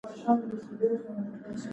احمد اوس کار ته سور شوی دی؛ کله يې پرېږدي.